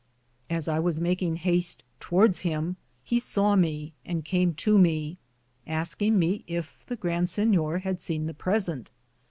As I was making haste towardes him, he saw me, and came to me, Askinge me yf the Grand Sinyor had sene the presente.